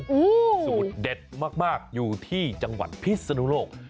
สูตรเด็ดมากมากอยู่ที่จังหวัดพิศนุโลก